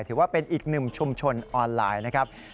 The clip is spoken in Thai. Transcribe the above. ถือว่าเป็นอีกหนึ่มชุมชนออนไลน์